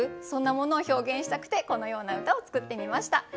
そんなものを表現したくてこのような歌を作ってみました。